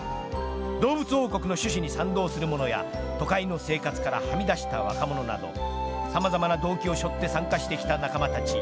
動物王国の趣旨に賛同するものや都会の生活からはみ出した若者など様々な動機を背負って参加してきた仲間たち。